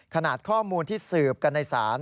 ขนาดข้อมูลที่สืบกันในศาล